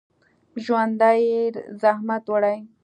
ژوندي زحمت وړي